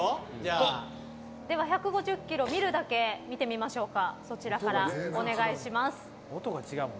１５０キロ、見るだけ見てみましょうか。